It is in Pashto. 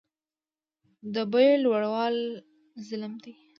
د بیو لوړول ظلم دی